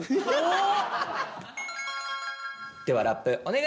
ではラップお願いします！